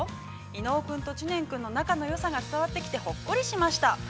伊野尾君と知念君の仲のよさが伝わってきて、ほっこりしました。